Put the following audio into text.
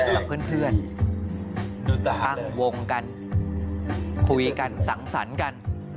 กับเพื่อนตั้งวงกันคุยกันสังสรรค์กัน